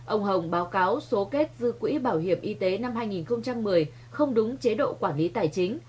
ông hồng báo cáo số kết dư quỹ bảo hiểm y tế năm hai nghìn một mươi không đúng chế độ quản lý tài chính